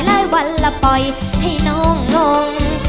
หลายวันละปล่อยให้น้องงง